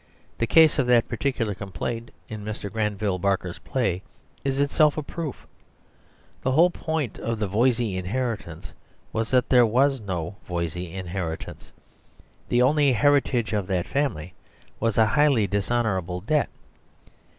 The case of that particular complaint, in Mr. Granville Barker's play, is itself a proof. The whole point of "The Voysey Inheritance" was that there was no Voysey inheritance. The Superstition of Divorce 49 The only heritage of that family was a highly dishonourable debt.